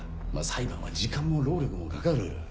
裁判は時間も労力もかかる。